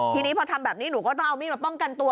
ทีนี้พอทำแบบนี้หนูก็ต้องเอามีดมาป้องกันตัว